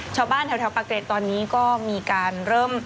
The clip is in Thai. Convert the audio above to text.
ชาวบ้านแถวปากเกรดตอนนี้ก็มีการเริ่ม